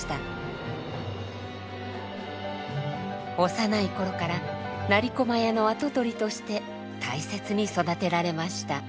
幼い頃から成駒屋の跡取りとして大切に育てられました。